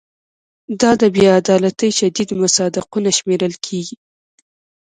دا د بې عدالتۍ شدید مصداقونه شمېرل کیږي.